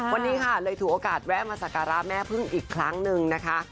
วันนี้ค่ะเลยถือโอกาสแวะมาสักการะแม่พึ่งอีกครั้งหนึ่งนะคะ